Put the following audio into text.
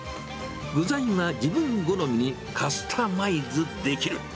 具材は自分好みにカスタマイズできる。